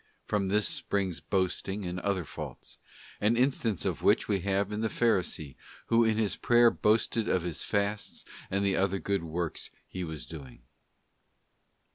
From this springs boasting and other faults; an instance of which we have in the Pharisce who in his prayer boasted of his fasts and the other good works he was doing.